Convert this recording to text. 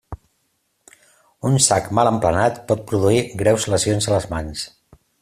Un sac mal emplenat pot produir greus lesions a les mans.